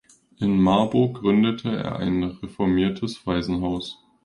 In Marburg gründete er ein reformiertes Waisenhaus.